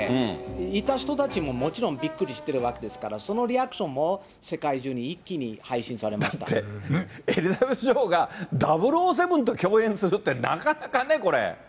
いた人たちももちろんびっくりしてるわけですから、そのリアクションも世界中に一気に配信されまだって、エリザベス女王が００７と共演するってなかなかね、これ。